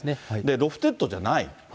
ロフテッドじゃない。